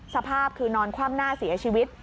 สภาพคือนอนคว่ำหน้าเสียชีวิต